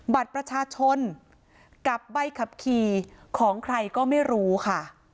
บัตรประชาชนกับใบขับขี่ของใครก็ไม่รู้ค่ะ